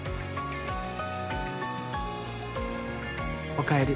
おかえり。